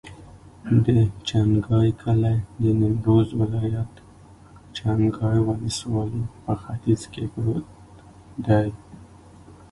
د چنګای کلی د نیمروز ولایت، چنګای ولسوالي په ختیځ کې پروت دی.